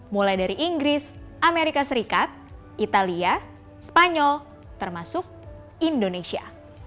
mulai dari inggris amerika serikat italia spanyol termasuk indonesia